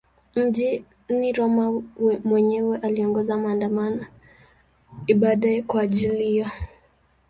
Mjini Roma mwenyewe aliongoza maandamano ya ibada kwa ajili hiyo.